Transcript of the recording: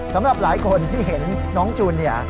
สำหรับหลายคนที่เห็นน้องจูนเนี่ย